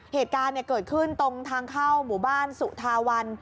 เหตุการณ์เกิดขึ้นตรงทางเข้าหมู่บ้านสุธาวัน